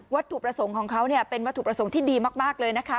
วัตถุประสงค์ของเขาเนี้ยเป็นวัตถุประสงค์ที่ดีมากมากเลยนะคะ